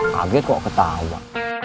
kaget kok ketawa